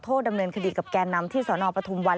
ดำเนินคดีกับแกนนำที่สนปทุมวัน